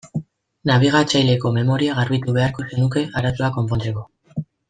Nabigatzaileko memoria garbitu beharko zenuke arazoa konpontzeko.